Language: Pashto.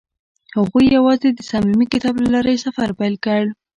هغوی یوځای د صمیمي کتاب له لارې سفر پیل کړ.